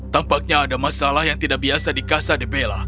tampaknya ada masalah yang tidak biasa di kasa debela